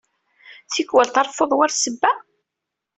Tikkwal treffuḍ war ssebba?